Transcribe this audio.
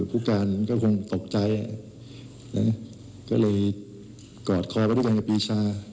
ผู้การก็คงตกใจก็เลยกอดคอไปทุกวันกับปีชา